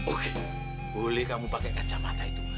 oke boleh kamu pakai kacamata itu